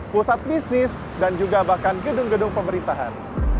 pusat bisnis dan juga bahkan gedung gedung pemerintahan